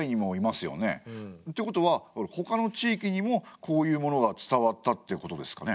ってことはほかの地域にもこういうものが伝わったってことですかね？